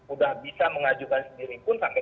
udah bisa mengajukan sendiri pun sampai